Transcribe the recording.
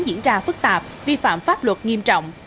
diễn ra phức tạp vi phạm pháp luật nghiêm trọng